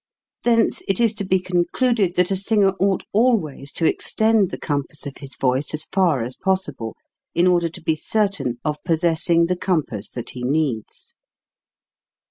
Thence it is to be concluded that a singer ought always to extend the compass of his voice as far as possible, in order to be certain of possessing the com pass that he needs.